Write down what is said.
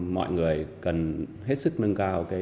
mọi người cần hết sức nâng cao